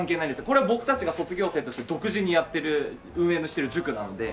これは僕たちが卒業生として独自にやってる運営してる塾なので。